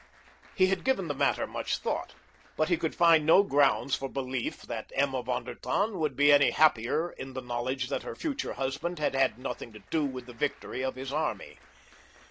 He had given the matter much thought, but he could find no grounds for belief that Emma von der Tann would be any happier in the knowledge that her future husband had had nothing to do with the victory of his army.